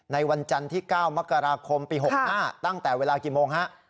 วันจันทร์ที่๙มกราคมปี๖๕ตั้งแต่เวลากี่โมงฮะ